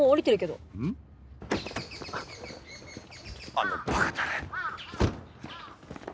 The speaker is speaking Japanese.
あのバカタレ。